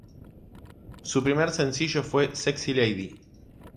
Su primer sencillo fue "Sexy Lady".